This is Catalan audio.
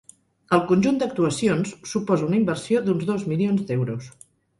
El conjunt d’actuacions suposa una inversió d’uns dos milions d’euros.